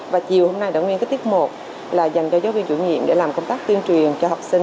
và chiều hôm nay đã nguyên cái tiết một là dành cho giáo viên chủ nhiệm để làm công tác tuyên truyền cho học sinh